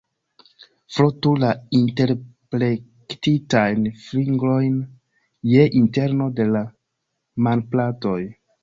Frotu la interplektitajn fingrojn je interno de la manplatoj.